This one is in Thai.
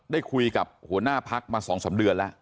ได้คุยกับหัวหน้าภักดิ์มาสองสามเดือนแล้ว